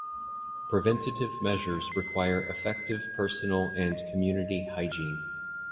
Preventative measures require effective personal and community hygiene.